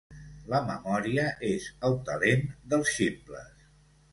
La memòria és el talent dels ximples.